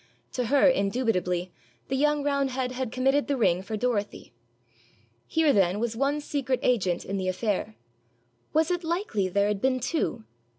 To her indubitably the young roundhead had committed the ring for Dorothy. Here then was one secret agent in the affair: was it likely there had been two?